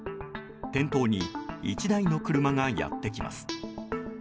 店頭に１台の車がやってきます。